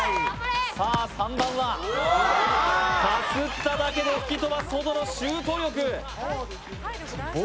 さあ３番は、かすっただけで吹き飛ばすだけのシュート力。